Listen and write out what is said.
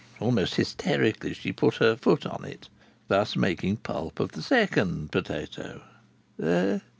Almost hysterically she put her foot on it, thus making pulp of the second potato.